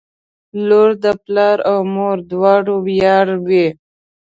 • لور د پلار او مور دواړو ویاړ وي.